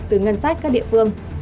từ ngân sách các địa phương